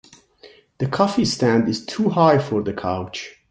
The coffee stand is too high for the couch.